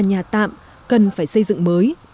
nhà tạm cần phải xây dựng mới